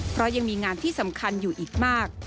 เพราะยังมีงานที่สำคัญอยู่อีกมาก